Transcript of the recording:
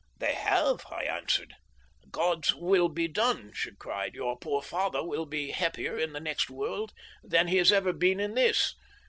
"'They have,' I answered. "'God's will be done!' she cried. 'Your poor father will be happier in the next world than he has ever been in this.